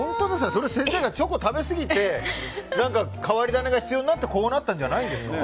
それは先生がチョコを食べすぎて変わり種が必要になってこうなったんじゃないですか？